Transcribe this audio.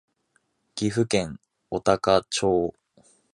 岐阜県御嵩町